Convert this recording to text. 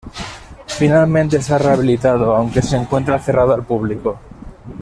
Finalmente se ha rehabilitado, aunque se encuentra cerrado al público.